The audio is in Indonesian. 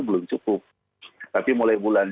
belum cukup tapi mulai bulan